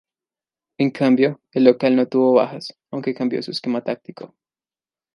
En cambio, el local no tuvo bajas, aunque cambió su esquema táctico.